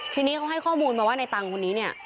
ทีนี้เขาให้ข้อมูลมาว่าในตังค์คนนี้เนี่ย